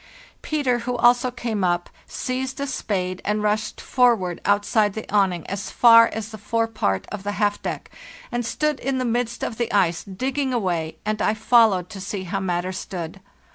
Peter, who also came up, seized a spade and rushed forward outside the awning as far as the forepart of the half deck, and stood in the midst of the ice, digging away, and I followed to see how matters stood.